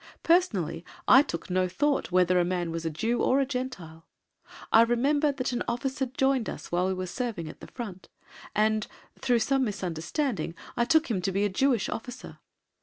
Personally, I took no thought whether a man was a Jew or a Gentile; I remember that an officer joined us while we were serving at the front, and, through some misunderstanding, I took him to be a Jewish officer.